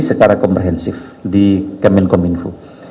secara komprehensif di kemenkom info